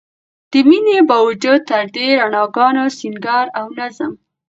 د مينې باوجود تر دې رڼاګانو، سينګار او نظم